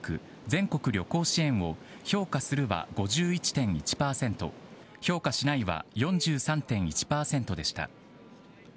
全国旅行支援を評価するは５１．１％評価しないは４３．１％でした。